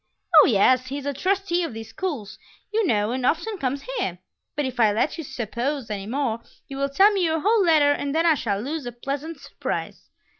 "Oh, yes; he is a trustee of these schools, you know, and often comes here. But if I let you 'suppose' any more, you will tell me your whole letter and then I shall lose a pleasant surprise."